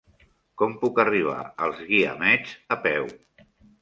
Com puc arribar als Guiamets a peu?